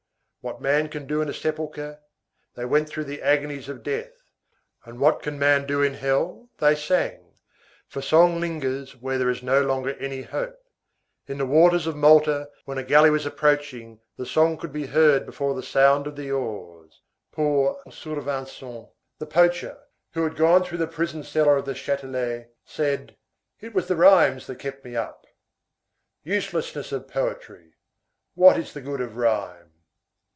What man can do in a sepulchre, they went through the agonies of death, and what can man do in hell, they sang; for song lingers where there is no longer any hope. In the waters of Malta, when a galley was approaching, the song could be heard before the sound of the oars. Poor Survincent, the poacher, who had gone through the prison cellar of the Châtelet, said: "It was the rhymes that kept me up." Uselessness of poetry. What is the good of rhyme?